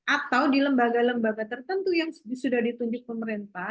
atau di lembaga lembaga tertentu yang sudah ditunjuk pemerintah